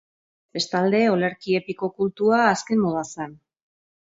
Bestalde, olerki epiko kultua azken moda zen.